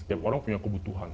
setiap orang punya kebutuhan